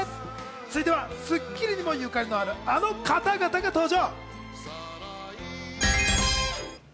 続いては『スッキリ』にも縁のある、あの方々が登場。